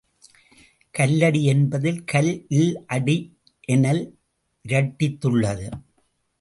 கல்லடி என்பதில் கல் ல் அடி என ல் இரட்டித்துள்ளது.